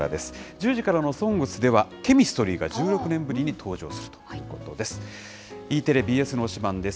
１０時からのＳＯＮＧＳでは、ＣＨＥＭＩＳＴＲＹが１６年ぶりに登場するということです。